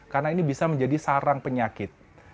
karena ini bisa menjadi sarang penyakit